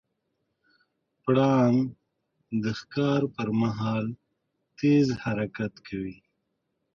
پړانګ د ښکار پر مهال تیز حرکت کوي.